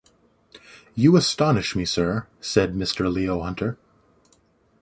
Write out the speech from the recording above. ‘You astonish me, Sir,’ said Mr. Leo Hunter.